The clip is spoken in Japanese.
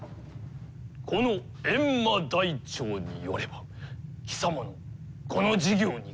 この閻魔台帳によれば貴様のこの事業に。